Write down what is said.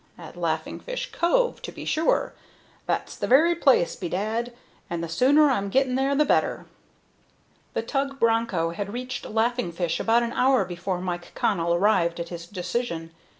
At Laughing Fish Cove, to be sure. That's the very place, bedad! and the sooner I'm getting there the better." The tug Broncho had reached Laughing Fish about an hour before Mike Connell arrived at this decision.